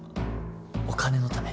お金のため？